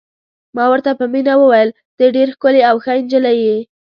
ما ورته په مینه وویل: ته ډېره ښکلې او ښه نجلۍ یې.